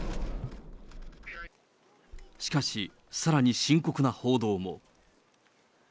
しかし、さらに深刻な報道も。